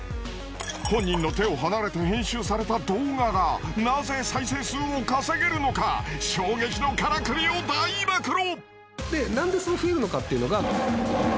本人の手を離れて編集された動画がなぜ再生数を稼げるのか衝撃のカラクリを大暴露！